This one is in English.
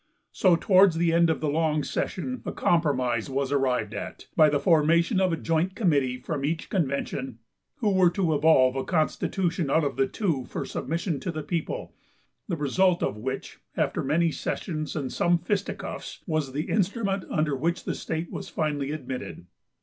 So towards the end of the long session a compromise was arrived at, by the formation of a joint committee from each convention, who were to evolve a constitution out of the two for submission to the people; the result of which, after many sessions, and some fisticuffs, was the instrument under which the state was finally admitted.